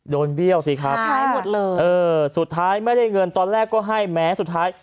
โดนเบี้ยวสิครับสุดท้ายไม่ได้เงินตอนแรกก็ให้แม้สุดท้าย